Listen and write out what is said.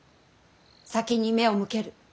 先に目を向ける。